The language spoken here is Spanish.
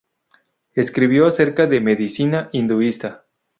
Escribió acerca de medicina hinduista.